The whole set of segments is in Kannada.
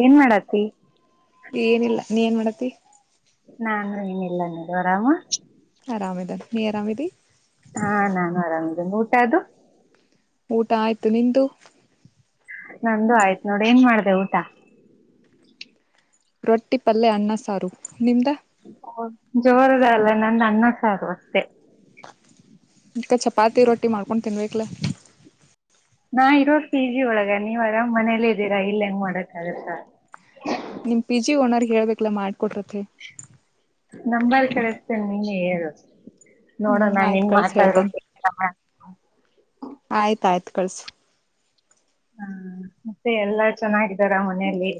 ಏನ್ ಮಾಡತ್ತಿ ಏನಿಲ್ಲ ನೀ ಏನ್ ಮಾಡತಿ. ನಾನು ಏನಿಲ್ಲ ನೀ ಆರಾಮ. ನಾ ಆರಾಮದ ನೀ ಅರಾಮಿದಿ. ಹಾ ನಾನು ಆರಾಮದಿನ್ ಊಟ ಅದು. ಊಟ ಆಯ್ತು ನಿಂದು. ನಂದು ಆಯ್ತು ನೋಡ್ ಏನ್ ಮಾಡ್ದೆ ಊಟ. ರೊಟ್ಟಿ ಪಲ್ಯ ಅನ್ನ ಸಾರು ನಿಮ್ದ. ಜೋರದಲ್ಲ ನಂದ ಅನ್ನ ಸಾರು ಅಷ್ಟೆ. ಅಕ್ಕ ಚಪಾತಿ ರೊಟ್ಟಿ ಮಾಡ್ಕೊಂಡು ತಿನ್ಬೇಕಕ್ಲೆ. ನಾ ಇರೋ ಪಿ ಜಿ ಒಳಗ ನೀವ್ ಅರಾಮ್ ಮನೇಲಿ ಇದ್ದೀರಾ ಇಲ್ಲ ಹೆಂಗ್ ಮಾಡಕ್ಗತ್ತ. ನಿಮ್ ಪಿ ಜಿ ಓನರ್ ಹೇಳ್ಬೇಕಲ್ಲ ಮಾಡ್ಕೊಟ್ರತೆ. ನಂಬಾರ್ ಕಳಿಸತೇ ನೀನ್ ಹೇಳ ಹ್ಮ್ ನೋಡೋಣ ಆಯ್ತ್ ನಿನ್ ಕಳ್ಸ ಮಾತಾಡ್ರೋ ಕೇಳ್ತಾರಾ. ಹ [inaudible] ಆಯ್ತ ಆಯ್ತ ಕಳ್ಸು. ಹಾ ಮತ್ತೆ ಎಲ್ಲ ಚೆನ್ನಾಗಿದ್ದಾರಾ ಮನೆಲಿ.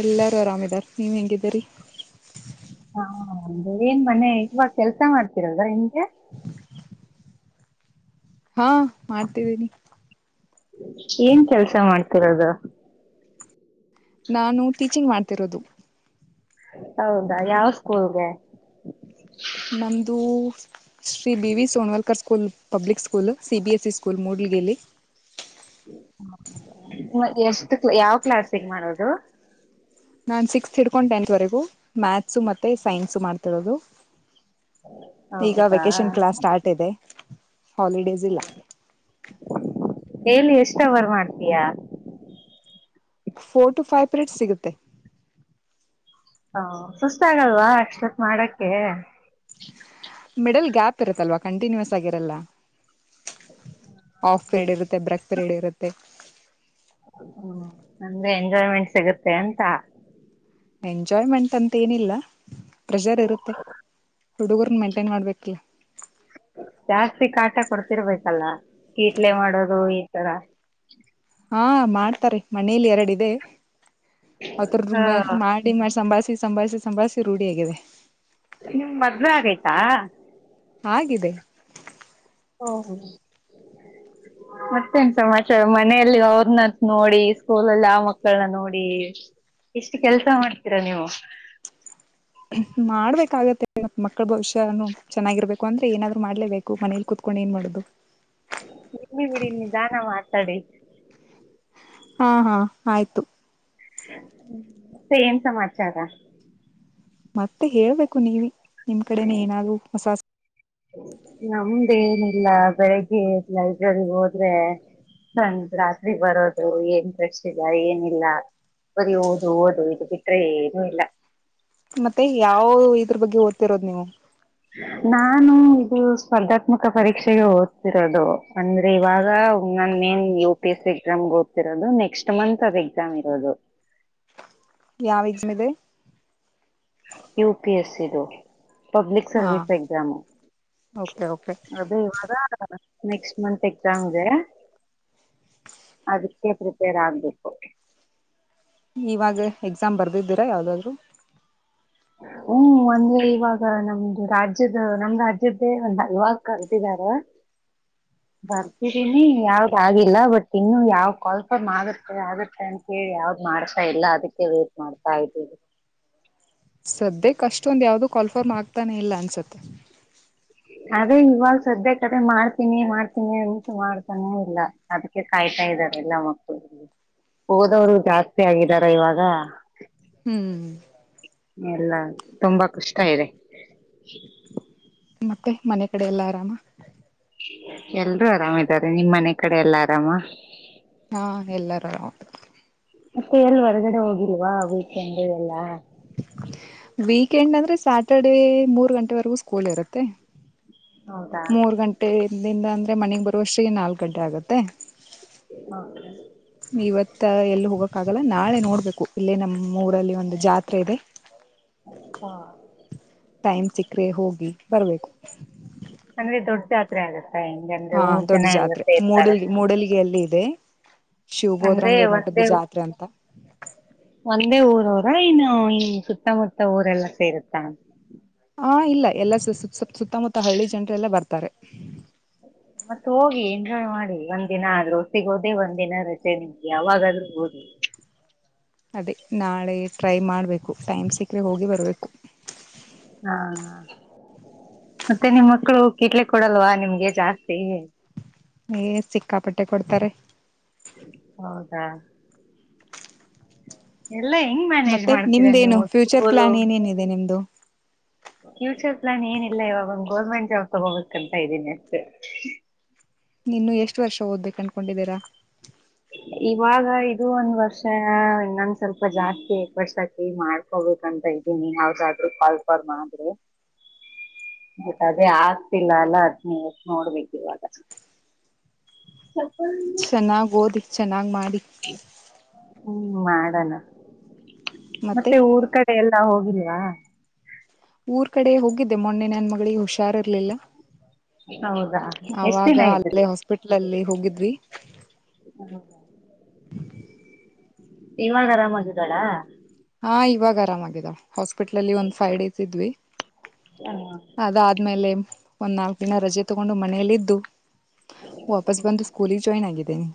ಎಲ್ಲಾರು ಆರಾಮಿದಾರ ನೀವ್ ಹೆಂಗಿದ್ದೀರಿ ಅಂದೆ ಏನ್ ಮನೆ ಇವಾಗ ಕೆಲ್ಸ ಮಾಡ್ತಿರೋದಾ ಹೆಂಗೆ [unintelligible] ಹಾ ಮಾಡ್ತಿದೀನಿ ಏನ್ ಕೆಲಸ ಮಾಡ್ತಿರೋದು ನಾನು ಟೀಚಿಂಗ್ ಮಾಡ್ತಿರೋದು ಹೌದಾ ಯಾವ ಸ್ಕೂಲ್ಗೆ ನಮ್ದು Shri B V Sonavalkar school public school C BSE school ಮೂಡ್ಲಗೇಲಿ ಎಷ್ಟಕ ಯಾವ ಕ್ಲಾಸಿಗ ಮಾಡೋದು ನಾನು ಸಿಕ್ಸ್ತ್ ಹಿಡ್ಕೊಂಡು ಟೆಂತ್ವರೆಗೂ ಮ್ಯಾಥ್ಸು ಮತ್ತೆ ಸೈನ್ಸು ಮಾಡ್ತಿರೋದು ಈಗ ಹೌದಾ ವೆಕೇಶನ್ ಕ್ಲಾಸ್ ಸ್ಟಾರ್ಟ್ ಇದೆ ಹಾಲಿಡೇಸ್ ಇಲ್ಲಾ. ಡೈಲಿ ಎಷ್ಟ ಅವರ ಮಾಡ್ತೀಯಾ ಫೋರ್ ಟು ಫೈವ್ ಪೀರಿಯಡ್ ಸಿಗುತ್ತೆ. ಹ ಸುಸ್ತ ಆಗಲ್ವಾ, ಅಷ್ಟೊತ್ತ ಮಾಡಕ್ಕೆ. ಮಿಡಲ್ ಗ್ಯಾಪ್ ಇರುತ್ತಲ್ವಾ, ಕಂಟಿನ್ಯೂಸ್ ಆಗಿರಲ್ಲ. ಆಫ್ ಪಿರೇಡ್ ಇರುತ್ತೆ ಬ್ರೇಕ್. ಪೆರೇಡ್ ಇರುತ್ತೆ. ಹ್ಮ ಅಂದ್ರೆ, ಎಂಜಾಯ್ಮೆಂಟ್ ಸಿಗುತ್ತೆ ಅಂತ. ಎಂಜಾಯ್ಮೆಂಟ್ ಅಂತ ಏನಿಲ್ಲ. ಪ್ರೆಷರ್ ಇರುತ್ತೆ, ಹುಡುಗರ ಮೆಂಟೇನ್ ಮಾಡ್ಬೇಕಲ್ಲ. ಜಾಸ್ತಿ ಕಾಟ ಕೊಡ್ತಿರ್ಬೇಕಲ್ಲ, ಕೀಟ್ಲೆ ಮಾಡೋದು ಈ ತರ. ಹಾ ಮಾಡ್ತಾರೆ ಮನೇಲಿ ಎರಡು ಇದೆ. ಅತ್ರ ಹ ಮಾಡಿ ಮಾಡಿ ಸಂಬಾಳಿ ಸಂಭಾಳಿಸಿ, ಸಂಭಾಳಿಸಿ ರೂಢಿಯಾಗಿದೆ ನಿಮ್ ಮದುವೆ ಆಗೈತಾ? ಆಗಿದೆ. ಓಹೋ [unintelligible] ಮತ್ತೆನ್ ಸಮಾಚಾರ ಮನೆಯಲ್ಲಿ ಅವ್ರನ್ನ ನೋಡಿ, ಸ್ಕೂಲಲ್ಲಿ ಆ ಮಕ್ಕಳನ ನೋಡಿ. ಎಷ್ಟು ಕೆಲ್ಸ ಮಾಡ್ತೀರಾ? ನೀವು. ಮಾಡ್ಬೇಕಾಗತ್ತೆ, ಮಕ್ಕಳ ಭವಿಷ್ಯನು ಚೆನ್ನಾಗಿರ್ಬೇಕು. ಅಂದ್ರೆ ಏನಾದ್ರು ಮಾಡ್ಲೇಬೇಕು. ಮನೇಲಿ ಕುೂತ್ಕು ಡೂ ಏನು ಮಾಡದು. ಇರ್ಲಿ ಬಿಡಿ, ನಿಧಾನ ಮಾತಾಡಿ. ಹಾ, ಹಾ ಆಯ್ತು. ಮತ್ತೆ ಏನ್ ಸಮಾಚಾರ ಮತ್ತೆ ಹೇಳ್ಬೇಕು ನೀವೇ, ನಿಮ್ ಕಡೆನ ಏನಾದ್ರೂ ಹೊಸಾ ಸ ನಮ್ದೇನಿಲ್ಲ, ಬೆಳಿಗ್ಗೆ ಎದ್ದು ಲೈಬ್ರರಿ ಹೋದ್ರೆ ಒಂದ ರಾತ್ರಿ ಬರೋದು, ಏನ್ ಫ್ರೆಶ್ ಇಲ್ಲ ಏನಿಲ್ಲ. ಬರಿ ಓದು, ಓದು ಇದು ಬಿಟ್ರೆ ಏನು ಇಲ್ಲ. ಮತ್ತೆ ಯಾವ, ಇದ್ರ ಬಗ್ಗೆ ಓದ್ತಿರೋದು ನೀವು? ನಾನು ಇದು ಸ್ಪರ್ಧಾತ್ಮಕ ಪರೀಕ್ಷೆಗೆ ಓದ್ತಿರೋದು. ಅಂದ್ರೆ ಇವಾಗ, ನನ್ನೇನ್ U P S C exam ಗ ಓದತಿರೋದು, ನೆಕ್ಸ್ಟ್ ಮಂತ್ ಅದ್ ಎಕ್ಸಾಮ್ ಇರೋದು. ಯಾವ ಎಕ್ಸಾಮ್ ಇದೆ? ಯು ಪಿ ಎಸ್ ಇ ದು ಪಬ್ಲಿಕ್ ಹಾ ಸರ್ವಿಸ್ ಎಕ್ಸಾಮ್. ಓಕೆ ಓಕೆ ಅದೇ ಇವಾಗ. ನೆಕ್ಸ್ಟ್ ಮಂತ್ ಎಕ್ಸಾಮ ಇದೆ. ಅದಕ್ಕೆ ಪ್ರಿಪೇರ್ ಆಗ್ಬೇಕು. ಇವಾಗ, ಎಕ್ಸಾಮ್ ಬರ್ದಿದ್ದೀರಾ ಯಾವ್ದಾದ್ರು? [unintelligible] ಹ್ಮ್ ಅಂದ್ರೆ ಇವಾಗ ನಮ್ದು ರಾಜ್ಯದ ನಮ್ ರಾಜ್ಯದ್ದೇ, ಒಂದು ಹಲ್ವಾಗ್ ಕರೆದಿದ್ದಾರೆ. ಹಾಂ ಬರ್ತಿದೀನಿ. ಯಾವ್ದ ಆಾಗಿಿಲ್ಲ ಬಟ್ ಇನ್ನು ಯಾವ ಕಲ್ಪ ಆಗುತ್ತೆ, ಆಗುತ್ತೆ ಅಂತ ಕೇಳಿ ಯಾವ್ದ. ಮಾಡ್ತಾ ಇಲ್ಲ ಅದಕ್ಕೆ ವೇಟ್ ಮಾಡ್ತಾ ಇದ್ದೀವಿ. ಸದ್ಯಕ್ಕೆಷ್ಟೊಂದ ಯಾವ್ದು ಕಾಲ್ಫರ್ಮ್ ಆಗ್ತಾನೆ, ಇಲ್ಲ ಅನ್ಸುತ್ತೆ. ಅದೇ ಇವಾಗ ಶ್ರದ್ದೆ ಕಡೆ ಮಾಡ್ತೀನಿ, ಮಾಡ್ತೀನಿ ಉಂಟು ಮಾಡ್ತಾನೆ ಇಲ್ಲ, ಅದಕ್ಕೆ ಕಾಯ್ತಾ ಇದೆ. ಎಲ್ಲಾ ಮಕ್ಕಳಲ್ಲಿ ಹೋದವರು ಜಾಸ್ತಿ ಆಗಿದಾರ ಇವಾಗ. ಹ್ಮ್ ಎಲ್ಲ ತುಂಬಾ ಕಷ್ಟ ಇದೆ. ಮತ್ತೆ ಮನೆ ಕಡೆ ಎಲ್ಲಾ ಆರಾಮ. ಎಲ್ರುೂ, ಆರಾಮಾರೆ ನಿಮ್ ಮನೆ ಕಡೆ ಎಲ್ಲಾ ಆರಾಮ. ಹಾ ಎಲ್ಲಾರ. ಮತ್ತೆ ಎಲ್ ಹೊರ್ಗಡೆ ಹೋಗಿಲ್ವಾ, ವೀಕೆಂಡ್ ಎಲ್ಲಾ. ವೀಕೆಂಡ್ ಅಂದ್ರೆ, ಸ್ಯಾಟರ್ಡೇ ಮೂರು ಗಂಟೆವರೆಗೂ ಸ್ಕೂಲ್ ಇರುತ್ತೆ. ಹೌದಾ ಮೂರ್ ಗಂಟೆಯಿಂದಿಂದ ಅಂದ್ರೆ, ಮನೆಗ್ ಬರುವಷ್ಟೀ ನಾಲ್ಕ್ ಗಂಟೆ ಆಗತ್ತೆ.. ಕೆ ತ್ತ ಎಲ್ಲಿ ಹೋಗಕ್ಕಾಗಲ್ಲ ನಾಳೆ ನೋಡ್ಬೇಕು ಇಲ್ಲೇ ನಮ್ಮ್ ಊರಲ್ಲಿ ಒಂದು ಜಾತ್ರೆ ಇದೆ ಹ ಹಾ ಟೈಮ್ ಸಿಕ್ಕ್ರೆ ಹೋಗಿ ಬರ್ಬೇಕು ಅಂದ್ರೆ ದೊಡ್ಡ ಜಾತ್ರೆ ಆಗತ್ತಾ ಹೆಂಗ ಅಂದ್ರೆ ಹಾ ಊರ್ ದೊಡ್ಡ ಜನ ಎಲ್ಲ ಜಾತ್ರೆ ಸೇರ್ತಾರ ಮೂಡಲ್ ಮೂಡಲಗಿಯಲ್ಲಿ ಇದೆ ಅಂದ್ರೆ ಶಿವಬೋದ್ರಂಗ ಮಠದ ಒಂದೇ ಜಾತ್ರೆ ಅಂತ ಒಂದೇ ಊರು ರ ಇನ್ನು ಇನ್ ಸುತ್ತಮುತ್ತ ಊರೆಲ್ಲ ಸೇರುತ್ತ ಹಾ ಇಲ್ಲ ಎಲ್ಲ ಸುತ್ತಮುತ್ತ ಹಳ್ಳಿ ಜನರೆಲ್ಲ ಬರ್ತಾರೆ ಮತ್ತ್ ಹೋಗಿ ಎಂಜಾಯ್ ಮಾಡಿ ಒಂದ್ ದಿನ ಆದ್ರೂ ಒಸತ್ತಿಗೆ ಹೋದೆೇ ಒಂದ್ ದಿನ ರಚೆ ನಿಮ್ಗೆ ಯಾವಾಗಾದ್ ಓದಿ ಅದೇ ನಾಳೆ ಟ್ರೈ ಮಾಡಬೇಕು ಟೈಮ್ ಸಿಕ್ಕ್ರೆ ಹೋಗಿ ಬರಬೇಕು ಹಾ ಹಾ ಮತ್ತೆ ನಿಮ್ಮ್ ಮಕ್ಕಳು ಕಿಟ್ಲೆ ಕೊಡಲ್ವಾ ನಿಮ್ಗೆ ಜಾಸ್ತಿ ಏ ಸಿಕ್ಕಾಪಟ್ಟೆ ಕೊಡ್ತಾರೆ ಹೌದಾ ಎಲ್ಲ ಹೆಂಗ್ ಮ್ಯಾನೇಜ್ ಮತ್ತೆ ಮಾಡ್ತೀರಾ ನಿಮ್ದೇನು ನೀವು ಫ್ಯೂಚರ್ ಸ್ಕೂಲು ಪ್ಲಾನ್ ಏನೇನಿದೆ ನಿಮ್ದು ಫ್ಯೂಚರ್ ಪ್ಲಾನ್ ಏನಿಲ್ಲ ಇವಾಗೊಂದ ಗೋರ್ಮೆಂಟ್ ಜಾಬ್ ತಗೋಬೇಕಂತ ಇದ್ದೀನಿ ಅಷ್ಟೆ ನೀನ್ನು ಎಷ್ಟು ವರ್ಷ ಓದ್ಬೇಕು ಅನ್ಕೊಂಡಿದ್ದೀರಾ ಇವಾಗ ಇದು ಒಂದ್ ವರ್ಷ ಇನ್ನೊಂದ್ ಸ್ವಲ್ಪ ಜಾಸ್ತಿ ಎ ವರ್ಷಕಿ ಮಾಡ್ಕೋಬೇಕಂತ ಇದದೆ ಯಾವ್ದಾದ್ರು ಕಾಲ್ಫಾಲ್ ಮಾಡಿದ್ರೆ ಹ ಮತ್ತ ಅದೇ ಆಗ್ತಿಲ್ಲ ಅಲ್ಲ ಹದ್ನ ನೋಡ್ಬೇಕ ಇವಾಗ. ಹ ಚೆನ್ನಾಗಿ ಓದಿ ಚೆನ್ನಾಗಿ ಮಾಡಿ ಹ್ಮ್ ಮಾಡಣ ಮತ್ತೆ ಊರ್ ಕಡೆ ಎಲ್ಲಾ ಹೋಗಿಲ್ವಾ ಊರ್ ಕಡೆ ಹೋಗಿದ್ದೆ ಮೊನ್ನೆ ನನ್ನ ಮಗಳಿಗೆ ಹುಷಾರ್ ಇರ್ಲಿಲ್ಲ. ಹೌದಾ ಎಷ್ಟ್ ಅವಾಗ ದಿನ ಇದ್ರಿ ಅಲ್ಲೇ ಹಾಸ್ಪಿಟ್ಲ್ ಅಲ್ಲಿ ಹೋಗಿದ್ವಿ ಹ್ಮ ಇವಾಗ ಆರಾಮಾಗಿದ್ದಾಳಾ ಹಾ ಇವಾಗ ಆರಾಮ ಆಗಿದ ಹಾಸ್ಪಿಟ್ಲಲ್ಲಿ ಒಂದು ಫೈವ್ ಡೇಸ್ ಇದ್ವಿ ಅದಾದ್ಮೇಲೆ ಒಂದ್ ನಾಲ್ಕಕ್ ದಿನ ರಜೆ ತಗೊಂಡು ಮನೇಲ್ಲಿದ್ದು. ವಾಪಸ್ ಬಂದು ಸ್ಕೂಲಿಗೆ ಜಾಯಿನ್ ಆಗಿದ್ದೇನೆ.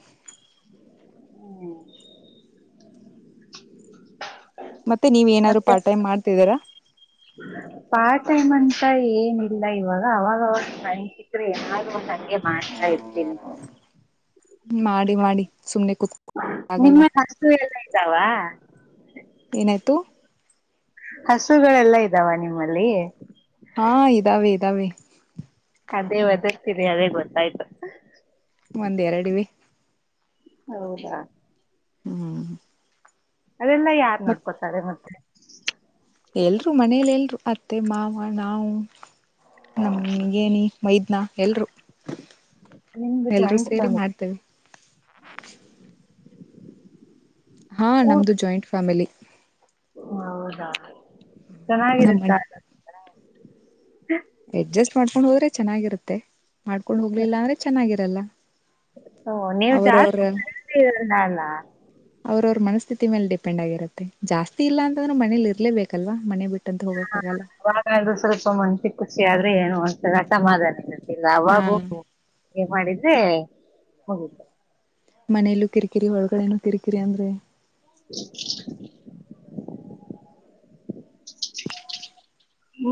ಹ್ಮ್ ಮತ್ತೆ ನೀವ ಏನಾದ್ರು ಪಾರ್ಟ್ ಟೈ ಮಾಡ್ತಿದೀರಾ. ಪಾರ್ಟ್ ಟೈಮ್ ಅಂತ ಏನಿಲ್ಲ ಇವಾಗ ಅವಾಗ ಅವ ಕಪಿದ್ರೆ. ಹ ನಂಗೆ ಮಾಡ್ತಾ ಇರ್ತೀನಿ ಮಾಡಿ ಮಾಡಿ ಸುಮ್ನೆ ಕೂತ್ ನಿಮ್ಮ ಆಗಲ್ಲ ಕಸು ಎಲ್ಲ ಇದ್ದಾವ ಏನಾಯ್ತು ಹಸುಗಳೆಲ್ಲ ಇದ್ದಾವ ನಿಮ್ಮಲ್ಲಿ ಹಾ ಇದಾವೇ ಇದಾವೇ ಅದೇ ಒದ್ತರಿ ಅದೇ ಗೊತ್ತಾಯ್ತು ಒಂದ್ರಡುವ ಹೌದಾ ಹ್ಮ್ ಅದೆಲ್ಲ ಯಾರ್ ಮತ್ ನೋಡ್ಕೊತಾರೆ ಮತ್ತೆ ಎಲ್ರು ಮನೇಲಿ ಎಲ್ರು ಅತ್ತೆ ಮಾವ ನಾವು ನಮ ನಿಗೇನಿ ಮೈದ್ನಾ ಎಲ್ರು ನಿಮ್ದು ಎಲ್ರೂ ಜಾಯಿಂಟ್ ಸೇರಿ ಫ್ಯಾಮಿಲಿ ಮಾಡ್ತೇವೆ ಹಾ ನಮ್ದು ಜಾಯಿಂಟ್ ಫ್ಯಾಮಿಲಿ ಹೌದಾ ಚೆನ್ನಾಗಿರುತ್ತಾ ಎಡ್ಜಸ್ಟ್ ಮಾಡ್ಕೊಂಡ್ ಹೋದ್ರೆ ಚೆನ್ನಾಗಿರುತ್ತೆ ಮಾಡ್ಕೊಂಡ್ ಹೋಗ್ಲಿಲ್ಲ ಅಂದ್ರೆ ಚೆನ್ನಾಗಿರಲ್ಲ ಓ ನೀವು ಅವರವರ ಜಾಸ್ತಿ ಕಡೆಯಲ್ಲಿ ಇರಲ್ಲ ಅಲ್ಲ ಅವರವ್ರ ಮನಸ್ ಸ್ಥಿತಿ ಮೇಲೆ ಡಿಪೆಂಡ್ ಆಗಿರುತ್ತೆ ಜಾಸ್ತಿ ಇಲ್ಲ ಅಂದ್ರ ಮೇಲಿ ಇರ್ಲೇಬೇಕಲ್ವಾ ಮನೆ ಬಿಟ್ಟು ಹ ಸ್ವಲ್ಪ ಮಂಚಿ ಖುಷಿ ಆದ್ರೆ ಏನು ಒಂತರ ಅಸಮಾಧಾನ ಹಾ ಇಲ್ಲಾವಾಗೋ ಮಾಡಿದ್ರೆ ಹೋಗುದು ಮನೆಯಲ್ಲೂ ಕಿರಿಕಿರಿ ಹೊಳಗಡೇನು ಕಿರಿಕಿರಿ ಅಂದ್ರೆ [unintelligible]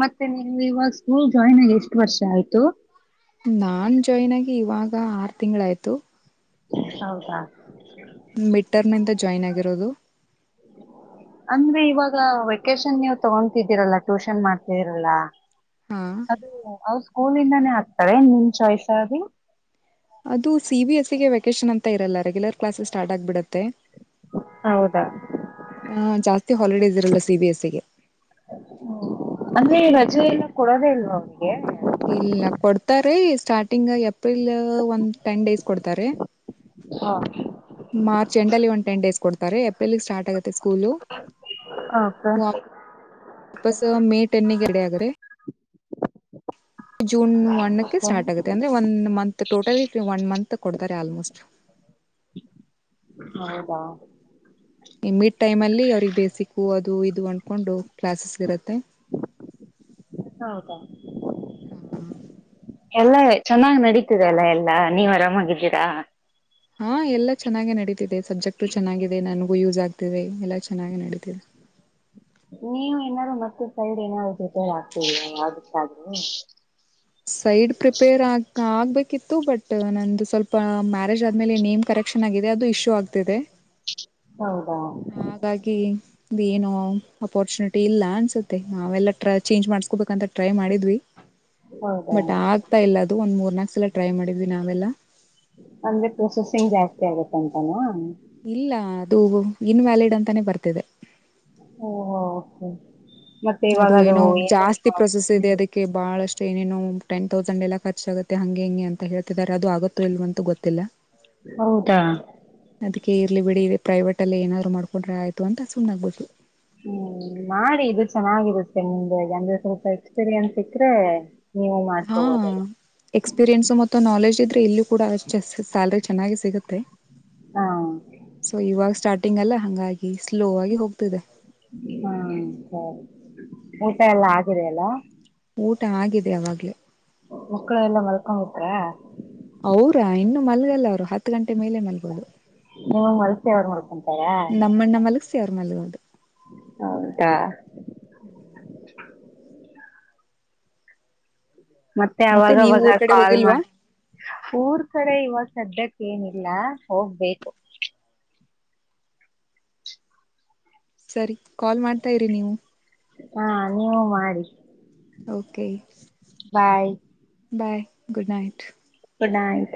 ಮತ್ತೆ ನಿಮ ಇವಾಗ ಸ್ಕೂಲ್ ಜಾಯಿನ್ ಆಗಿ ಎಷ್ಟು ವರ್ಷ ಆಯ್ತು ನಾನ್ ಜಾಯಿನ್ ಆಗಿ ಇವಾಗ ಆರು ತಿಂಗಳ ಆಯ್ತು ಹೌದಾ ಮಿಟರ್ಮಿಂದ ಜಾಯಿನ್ ಆಗಿರೋದು ಅಂದ್ರೆ ಇವಾಗ ವೆಕೇಶನ್ ನೀವು ತಗೊತಿದ್ದೀರಲ್ಲ ಟ್ಯೂಷನ್ ಮಾಡ್ತಿದೀರಲ್ಲ ಹಾ ಅದ ಅವ ಸ್ಕೂಲಿಂದಾನೇ ಆಕ್ತಾರೇ ನಿಮ ಚಾಯ್ಸಾ ಅದು ಅದು ಸಿ ಬಿ ಎಸ್ಸಗೆ ವೆಕೇಶನ್ ಅಂತ ಇರಲ್ಲೆಗ್ಯುಲರ್ ಕ್ಲಾಸಸ್ ಸ್ಟಾರ್ಟ್ ಆಗ್ಬಿಡುತ್ತೆ ಹೌದಾ ಆ ಜಾಸ್ತಿ ಹಾಲಿಡೇಸ್ ಇರಲ್ಲ ಸಿ ಬಿ ಎ ಸಿ ಗೆ ಹ ಅಂದ್ರೆ ರಜ ಎಲ್ಲ ಕೊಡೋದೇ ಇಲ್ವಾ ಅವನಿಗೆ ಇಲ್ಲ ಕೊಡ್ತಾರೇ ಸ್ಟಾರ್ಟಿಂಗ್ ಏಪ್ರಿಲ್ ಒಂದ್ ಟೆನ್ ಡೇಸ್ ಕೊಡ್ತಾರೆ ಹಾ ಮಾರ್ಚ್ ಎಂಡಲ್ಲಿ ಒ ಟನ್ ಡೇಸ್ ಕೊಡ್ತಾರೆ ಏಪ್ರಿಲ್ಗೆ ಸ್ಟಾಟಾಗುತ್ತೆ ಸ್ಕೂಲ್ ಹೌದ ಅಪ್ಪಸ ಮೇ ಟೆನ್ಗೆ ರಡಿ ಯಗರೆ ಜೂನ್ ಒನ್ಕ್ಕೆ ಸ್ಟಾರ್ಟ್ ಆಗುತ್ತೆ ಅಂದ್ರೆ one month total one month ಕೊಡ್ತಾರೆ ಆಲ್ಮೋಸ್ಟ್ ಹೌದಾ ಮಿಡ್ ಟೈಮ್ ಅಲ್ಲಿ ಅವ್ರಿಗೆ ಬೇಸಿಕ್ಕು ಅದು ಇದು ಅಂದ್ಕೊಂಡು ಕ್ಲಾಸಸ್ ಇರುತ್ತೆ [unintelligible] ಹೌದಾ ಎಲ್ಲ ಚೆನ್ನಾಗ್ ನಡೀತಿದೆ ಅಲ್ಲ ಎಲ್ಲಾ ನೀವ್ ಆರಾಮಾಗಿದ್ದೀರಾ ಹಾ ಎಲ್ಲಾ ಚೆನ್ನಾಗೆ ನಡೀತಿದೆ ಸಬ್ಜೆಕ್ಟ್ ಚೆನ್ನಾಗಿದೆ ನಾನು ಯೂಸ್ ಆಗ್ತಿದೆ ಎಲ್ಲ ಚೆನ್ನಾಗಿ ನಡತಿದೆ ನೀವು ಏನಾದಾರರು ಮತ್ತೆ ಸೈಡ್ ಏನಾದರು ಜೊತೆ ಹಾಕ್ತೀದಿರ ಆಗುತ್ತಾ ಅದು ಸೈಡ್ ಪ್ರಿಪೇರ್ ಆಗ್ ಹ ಆಗ್ಬೇಕಿತ್ತು ಬಟ್ ನಂದು ಸ್ವಲ್ಪ ಮ್ಯಾರೇಜ್ ಆದ್ಮೇಲೆ ನೇಮ್ ಕರೆಕ್ಷನ್ ಆಗಿದೆ ಅದು ಇಶ್ಯೂ ಆಗ್ತಿದೆ ಹೌದಾ ಹಾಗಾಗಿ ಇ ಏನೋ ಅಪಾರ್ಚುನಿಟಿ ಇಲ್ಲ ಅನ್ಸುತ್ತೆ ನಾವೆಲ್ಲ್ರ ಚೇಂಜ್ ಮಾಡಸ್ಕೋಬೇಕಂತ ಟ್ರೈ ಮಾಡಿದ್ವಿ ಹೌದಾ ಬಟ್ ಆಗ್ತಾ ಇಲ್ಲ ಅದು ಒಂದ್ ಮೂರ್ ನಾಲ್ಕ್ ಸಲ ಟ್ರೈ ಮಾಡಿದ್ವಿ ನಾವೆಲ್ಲ ಅಂದ್ರೆ ಪ್ರೊಸೆಸಿಂಗ್ ಜಾಸ್ತಿ ಆಗತ್ತಂತಾನ ಇಲ್ಲ ಅದು ಇನ್ವ್ಯಾಲಿಡ್ ಅಂತಾನೆ ಬರ್ತಿದೆ ಓ ಹ ಓಕೆ ಮತ್ತೆ ಇವಾಗ ಅದು ಏನೋ ಏನು ಜಾಸ್ತಿ ಪ್ರೋಸೆಸ್ ಇದೆ ಅದಕ್ಕೆ ಬಹಳಸ್ಟ. ಏನ್ ಎನೋ ಟೆನ್ ತೌಸಂಡ್ ಎಲ್ಲ ಖರ್ಚಾಗುತ್ತೆ ಹಂಗೆ ಹೆಂಗೆ ಅಂತ ಹೇಳ್ತಿದಿದ್ದಾರೆ ಅದು ಆಗುತ್ತೋ ಇಲ್ವೋ ಅಂತ ಗೊತ್ತಿಲ್ಲ. ಹೌದಾ ಅದಕ್ಕೆ ಇರ್ಲಿ ಬಿಡಿ ಇದೆ ಪ್ರೈವೇಟ್ ಅಲ್ಲಿ ಏನಾದ್ರು ಮಾಡ್ಕೊಂಡ್ರ ಆಯ್ತು ಅಂತ ಸುಮ್ನಾಗ್ಬಿಟ್. ಹ್ಮ್ ಮಾಡಿ ಇದು ಚೆನ್ನಾಗಿರುತ್ತೆ ನಿಮ್ದೆ ಅಂದ್ರೆ ಸ್ವಲ್ಪ ಎಕ್ಸ್ಪೀರಿಯನ್ಸ್ ಸಿಕ್ರೆ. ಹಾ ಎಕ್ಸ್ಪೀರಿಯನ್ಸ್ ಮತ್ತೆ ನಾಲೆಜ್ ಇ ಇದ್ರೆ ಇಲ್ಲಿ ಕೂಡ ಅಷ್ಟ ಸ್ಯಾಲರಿ ಚೆನ್ನಾಗಿ ಸಿಗುತ್ತೆ ಹಾ ಸೊ ಇವಾಗ ಸ್ಟಾರ್ಟ್ ಟಿಂಗ್ ಹಾಂಗಲ್ಲೇ ಹಂಗಾಗಿ ಸ್ಲೋ ಆಗಿ ಹೋಗ್ತಿದೆ. ಹಾ ಸರಿ ಊಟ ಎಲ್ಲಾ ಆಗಿದೆಯಲ್ಲ. ಊಟ ಆಗಿದೆ ಅವಾಗ್ಲೆ. ಮಕ್ಳು ಎಲ್ಲ ಮಲ್ಕೊಂಬಿಟ್ರ ಅವ್ರ ಇನ್ನು ಮಲ್ಗಲ್ಲ ಅವ್ರು ಹತ್ತು ಗಂಟೆ ಮೇಲೆ ಮಲ್ಬೋದು. [unintelligible] ನಮ್ಮನ್ನ ಮಲಗ್ಸಿ ಅವ್ರ ಮಲಗೋದು. ಹೌದಾ [inaudible] ಮತ್ತೆ ನೀವು ಅವಾಗವಾಗ ಊರ್ ಕಡೆ ಕಾಲ್ ಹೋಗಿಲ್ವಾ ಮಾಡ ಊರ್ ಕಡೆ ಇವಾಗ. ಸದ್ಯಕ್ಕೆನಿಲ್ಲ ಹೋಗ್ಬೇಕು. ಸರಿ ಕಾಲ್ ಮಾಡ್ತಾ ಇರಿ ನೀವು. ಹಾ ನೀವು ಮಾಡಿ. Okay bye bye good night good night.